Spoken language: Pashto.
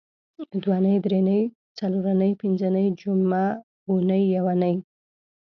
دونۍ درېنۍ څلرنۍ پینځنۍ جمعه اونۍ یونۍ